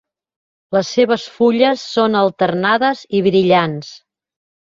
Les seves fulles són alternades i brillants.